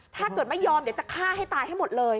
ถ้าเกิดไม่ยอมเดี๋ยวจะฆ่าให้ตายให้หมดเลย